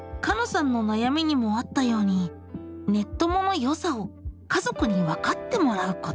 さんの悩みにもあったようにネッ友の良さを家族にわかってもらうこと。